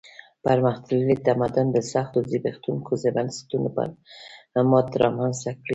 پرمختللی تمدن د سختو زبېښونکو بنسټونو پر مټ رامنځته کړی و.